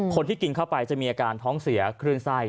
คนที่กินเข้าไปจะมีอาการท้องเสียคลื่นไส้